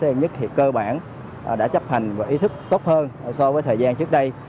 em nhất thì cơ bản đã chấp hành và ý thức tốt hơn so với thời gian trước đây